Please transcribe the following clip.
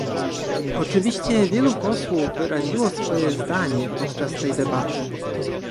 Oczywiście wielu posłów wyraziło swoje zdanie podczas tej debaty